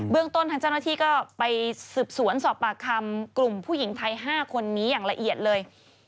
เรื่องต้นทางเจ้าหน้าที่ก็ไปสืบสวนสอบปากคำกลุ่มผู้หญิงไทย๕คนนี้อย่างละเอียดเลย